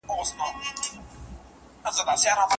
څه عجيبه شان سيتار کې يې ويده کړم